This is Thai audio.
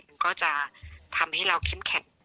มันก็จะทำให้เราเข้มแข็ง